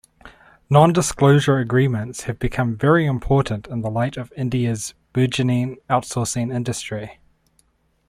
Non-disclosure agreements have become very important in light of India's burgeoning outsourcing industry.